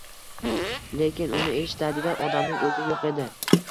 Lekin uni eshitadigan odamning oʻzi yoʻq edi